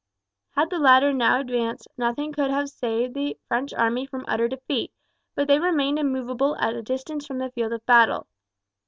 Had the latter now advanced nothing could have saved the French army from utter defeat; but they remained immovable at a distance from the field of battle.